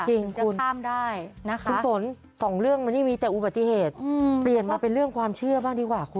จริงคุณฝนสองเรื่องมันไม่มีแต่อุบัติเหตุเปลี่ยนมาเป็นเรื่องความเชื่อบ้างดีกว่าคุณ